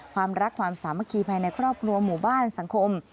ความรักความสามัคคีภายในครอบครัวหมู่บ้านสังคม